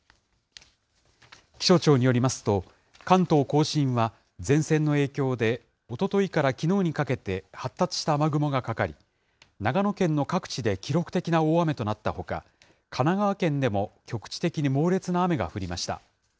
気象庁によりますと、関東甲信は、前線の影響でおとといからきのうにかけて、発達した雨雲がかかり、長野県の各地で記録的な大雨となったほか、神奈川県でも局地的に猛烈な雨が降りました。